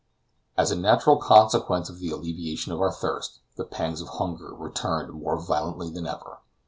As a natural consequence of the alleviation of our thirst, the pangs of hunger returned more violently than ever.